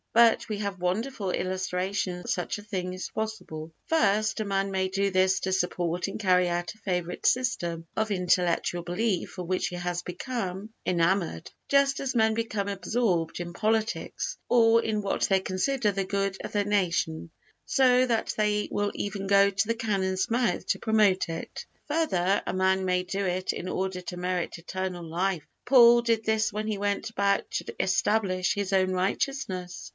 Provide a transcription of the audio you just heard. But we have wonderful illustrations that such a thing is possible. First, a man may do this to support and carry out a favorite system of intellectual belief of which he has become enamored, just as men become absorbed, in politics, or in what they consider the good of their nation, so that they will even go to the cannon's mouth to promote it. Further, a man may do it in order to merit eternal life. Paul did this when he went about to establish his own righteousness.